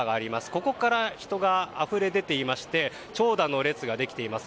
ここから人があふれ出ていて長蛇の列ができています。